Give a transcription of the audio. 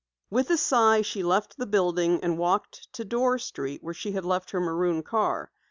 With a sigh she left the building and walked to Dorr Street where she had left her maroon car.